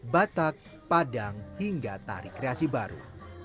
batak padang hingga tari kreasi baru